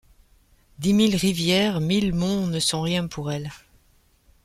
Dix mille rivières, mille monts ne sont rien pour elle.